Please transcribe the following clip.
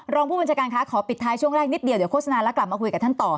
รองผู้บัญชาการคะขอปิดท้ายช่วงแรกนิดเดียวเดี๋ยวโฆษณาแล้วกลับมาคุยกับท่านต่อ